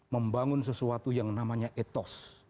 membangun sesuatu yang namanya etos